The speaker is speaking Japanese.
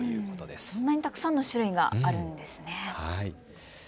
こんなにたくさんの種類があるんですね。